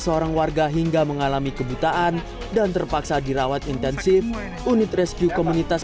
seorang warga hingga mengalami kebutaan dan terpaksa dirawat intensif unit rescue komunitas